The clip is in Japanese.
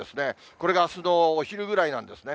これがあすのお昼ぐらいなんですね。